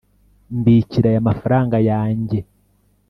Mbikira aya mafaranga yange